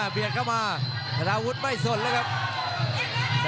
เบียดเข้ามาธนาวุฒิไม่สนแล้วครับ